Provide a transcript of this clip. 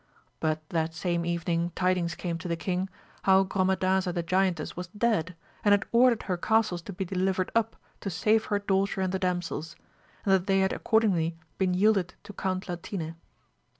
But that same evening tidings came to the king how Gro madaza the giantess was dead, and had ordered her castles to be delivered up to save her daughter and the damsels, and that they had accordingly been yielded to Count Latine.